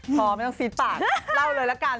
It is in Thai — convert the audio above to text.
พอไม่ต้องฟิตปากเล่าเลยละกัน